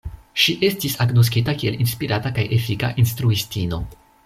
Ŝi estis agnoskita kiel inspirata kaj efika instruistino.